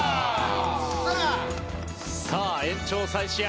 さあ延長再試合。